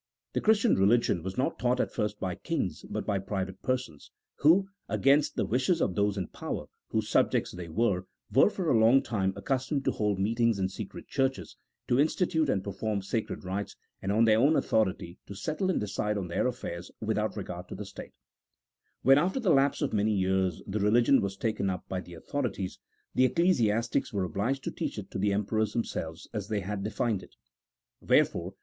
The Christian religion was not taught at first by kings, but by private persons, who, against the wishes of those in power, whose subjects they were, were for a long time accustomed to hold meet ings in secret churches, to institute and perform sacred rites, and on their own authority to settle and decide on their affairs without regard to the state, When, after the lapse of many years, the religion was taken up by the authorities, the ecclesiastics were obliged to teach it to the emperors themselves as they had defined it : wherefore CHAP. XIX.] OF THE OUTWARD FORMS OF RELIGION.